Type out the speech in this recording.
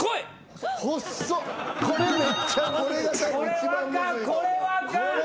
これはあかんこれはあかん。